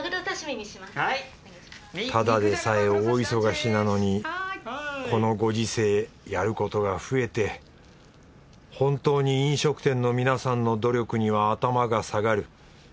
ただでさえ大忙しなのにこのご時世やることが増えて本当に飲食店の皆さんの努力には頭が下がる。